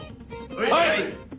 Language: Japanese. はい！